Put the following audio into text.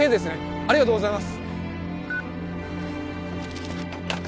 ありがとうございます